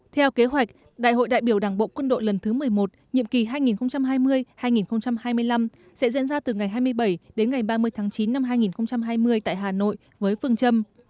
theo kế hoạch đại hội đại biểu đảng bộ quân đội lần thứ một mươi một nhiệm kỳ hai nghìn hai mươi hai nghìn hai mươi năm sẽ diễn ra từ ngày hai mươi bảy đến ngày ba mươi tháng chín năm hai nghìn hai mươi tại hà nội với phương châm